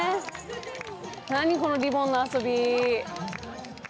何このリボンの遊び。